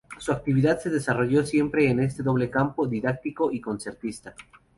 Su actividad se desarrolló siempre en este doble campo, didáctico y concertista.